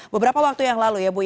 beberapa waktu yang lalu ya bu